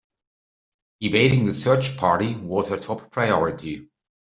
Evading the search party was her top priority.